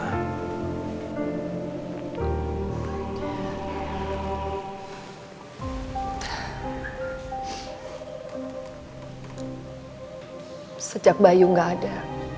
ma sejak bayu gak ada